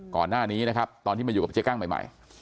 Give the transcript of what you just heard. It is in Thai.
ก่อนหน้านี้นะครับตอนที่มาอยู่กับเจ๊กั้งใหม่